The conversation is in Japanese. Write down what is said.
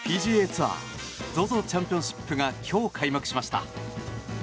ツアーＺＯＺＯチャンピオンシップが今日開幕しました。